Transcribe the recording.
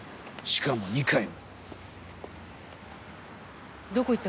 しかも２回も。